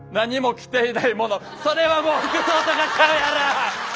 それはもう服装とかちゃうやろ！